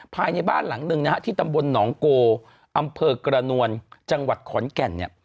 ภายในบ้านหลังหนึ่งนะฮะที่ตำบลหนองโกอำเภอกระนวลจังหวัดขอนแก่นเนี่ย